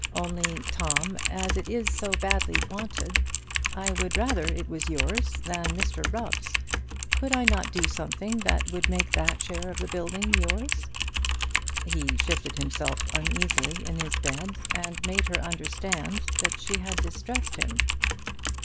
Only, Tom, as it is so badly wanted, I would rather it was yours than Mr Rubb's. Could I not do something that would make that share of the building yours?" He shifted himself uneasily in his bed, and made her understand that she had distressed him.